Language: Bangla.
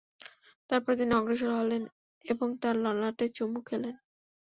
তারপর তিনি অগ্রসর হলেন এবং তার ললাটে চুমু খেলেন।